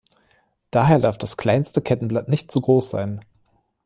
Daher darf das kleinste Kettenblatt nicht zu groß sein.